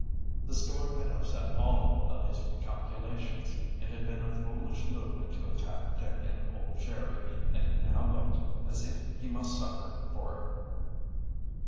The storm had upset all of his calculations. It had been a foolish movement to attack Dick and old Jerry, and it now looked as if he must suffer for it.